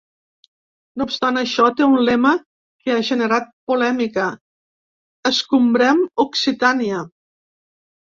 No obstant això, té un lema que ha generat polèmica, ‘Escombrem Occitània’.